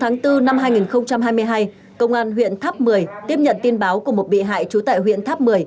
ngày bốn năm hai nghìn hai mươi hai công an huyện tháp một mươi tiếp nhận tin báo của một bị hại trú tại huyện tháp một mươi